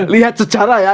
lihat secara ya